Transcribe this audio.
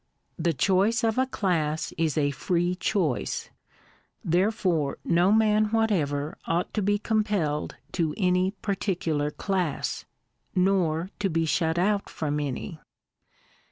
The choice of a class is a free choice; therefore no man whatever ought to be compelled to any particular class, nor to be shut out from any.